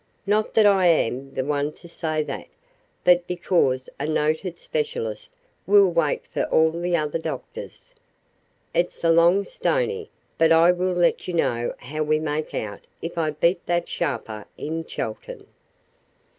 Not that I am the one to say that, but because a noted specialist will wait for all the other doctors. It's a long stony, but I will let you know how we make out if I beat that sharper into Chelton."